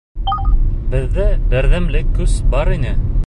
Беҙҙә берҙәмлек, көс бар ине.